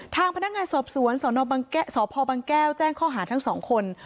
ทางพนักงานสอบสวนสพบังแก้วแจ้งข้อหาทั้งสองคน